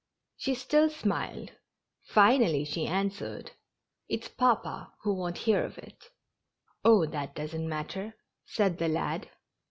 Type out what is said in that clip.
'' She oUaa dmiled, finally she answered :" It's papa who won't hear of it." Oh, that doesn't matter," said the lad.